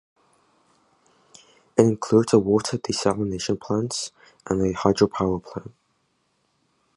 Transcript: It includes water desalination plants and a hydropower plant.